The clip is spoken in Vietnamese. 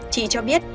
chị cho biết